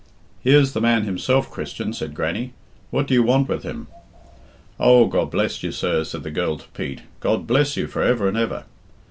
"Here's the man himself, Christian," said Grannie. "What do you want with him?" "Oh, God bless you, sir," said the girl to Pete, "God bless you for ever and ever."